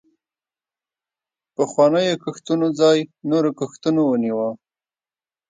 پخوانیو کښتونو ځای نورو کښتونو ونیوه.